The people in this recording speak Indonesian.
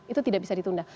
itu tidak bisa ditunda